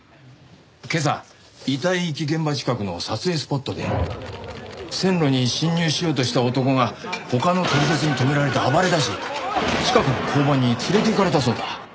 今朝遺体遺棄現場近くの撮影スポットで線路に侵入しようとした男が他の撮り鉄に止められて暴れ出し近くの交番に連れて行かれたそうだ。